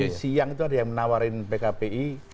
tadi siang itu ada yang menawarin pkpi